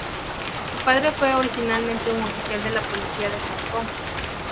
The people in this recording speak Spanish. Su padre fue originalmente un oficial de la Policía de Hong Kong.